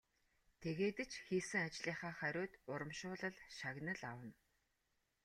Тэгээд ч хийсэн ажлынхаа хариуд урамшуулал шагнал авна.